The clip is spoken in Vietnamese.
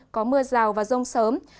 có mưa rào và rông sớm